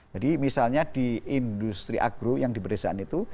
misalnya di industri agro yang di pedesaan itu